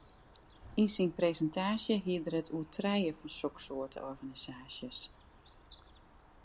Yn syn presintaasje hie er it oer trije fan soksoarte organisaasjes.